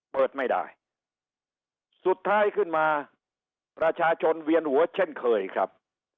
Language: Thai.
เปิดไม่ได้สุดท้ายขึ้นมาประชาชนเวียนหัวเช่นเคยครับ